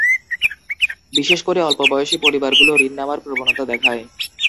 বিশেষ করে অল্পবয়সি পরিবারগুলো ঋণ নেওয়ার প্রবণতা দেখায়।